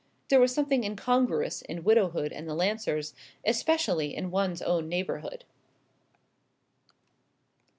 There was something incongruous in widowhood and the Lancers; especially in one's own neighbourhood.